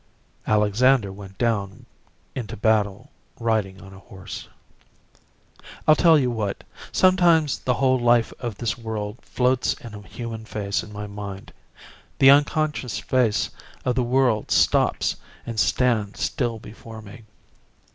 Alexander went down into a battle riding on a horse. I'll tell you what sometimes the whole life of this world floats in a human face in my mind. The unconscious face of the world stops and stands still before me.